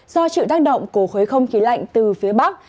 do trực tác động của khối không kỳ lạnh từ phía bắc